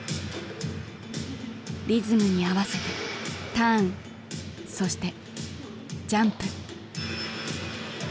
リズムに合わせてターンそしてジャンプ。